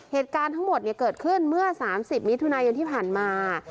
เหตุการณ์ทั้งหมดเกิดขึ้นเมื่อ๓๐มิถุนายนที่ผ่านมา